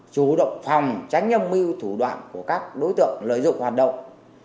chủ động phòng tránh âm mưu thủ đoạn của các đối tượng lợi dụng hoạt động